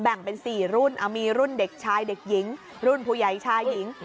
เป็น๔รุ่นมีรุ่นเด็กชายเด็กหญิงรุ่นผู้ใหญ่ชายหญิง